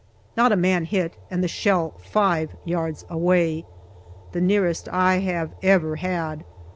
Not a man hit, and the shell five yards away. The nearest I have ever had.